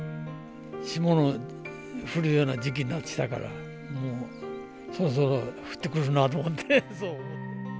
霜の降るような時期になってきたから、もうそろそろ降ってくるなと思って。